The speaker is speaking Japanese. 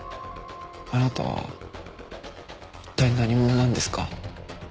あなたは一体何者なんですか？